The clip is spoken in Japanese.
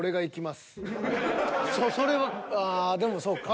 それはああでもそうか。